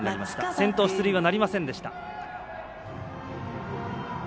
先頭出塁はなりませんでした。